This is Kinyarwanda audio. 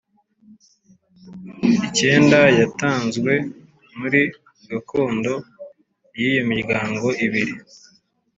Icyenda yatanzwe muri gakondo y iyo miryango ibiri